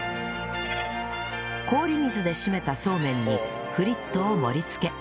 氷水で締めたそうめんにフリットを盛り付け